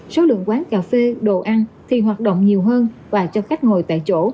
số lượng quán cà phê đồ ăn thì hoạt động nhiều hơn và cho khách ngồi tại chỗ